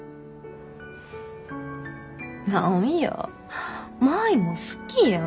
何や舞も好きやん。